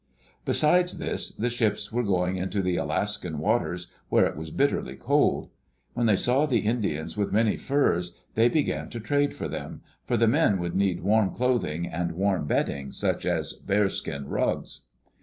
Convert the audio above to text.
Besides this, the ships were going into the Alaskan waters where it was bitterly cold When they saw the Indians with many furs they began to trade for them, for the men would need warm clothing and warm bedding such as bearskin rugs.